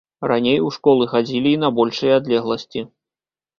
Раней у школы хадзілі і на большыя адлегласці.